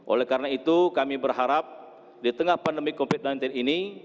oleh karena itu kami berharap di tengah pandemi covid sembilan belas ini